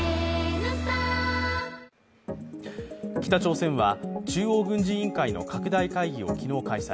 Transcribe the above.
北朝鮮は中央軍事委員会の拡大会議を昨日開催。